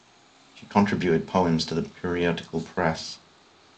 She contributed poems to the periodical press.